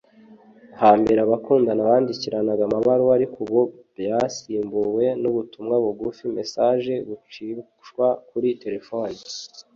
Hambere abakundana bandikiranaga amabaruwa ariko ubu byasimbuwe n’ubutumwa bugufi(messages) bucishwa kuri telefoni